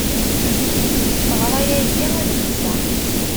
Teɣra yagi adlis-a.